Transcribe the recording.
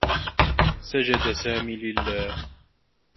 سجد سامي لله.